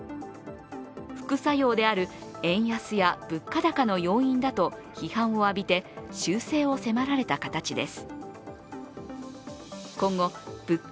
副作用である円安や物価高の要因だと批判を浴びて修正を迫られた形です。